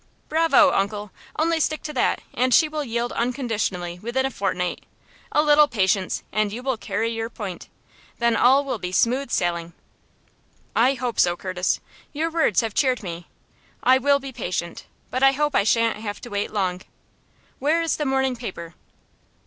"Bravo, uncle! Only stick to that, and she will yield unconditionally within a fortnight. A little patience, and you will carry your point. Then all will be smooth sailing." "I hope so, Curtis. Your words have cheered me. I will be patient. But I hope I shan't have to wait long. Where is the morning paper?"